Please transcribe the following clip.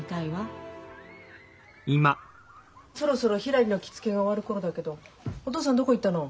そろそろひらりの着付けが終わる頃だけどお父さんどこ行ったの？